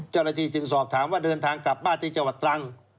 จึงสอบถามว่าเดินทางกลับบ้านที่จังหวัดตรัง